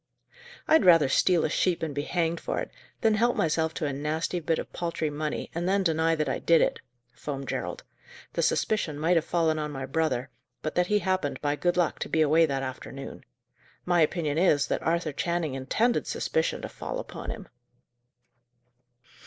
"I'd rather steal a sheep and be hanged for it, than help myself to a nasty bit of paltry money, and then deny that I did it!" foamed Gerald. "The suspicion might have fallen on my brother, but that he happened, by good luck, to be away that afternoon. My opinion is, that Arthur Channing intended suspicion to fall upon him."